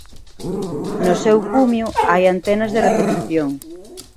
No seu cumio hai antenas de repetición.